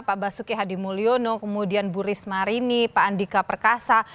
pak basuki hadimulyono kemudian bu risma rini pak andika perkasa